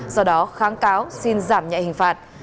do đó kháng cáo xin giảm nhạy hình phạt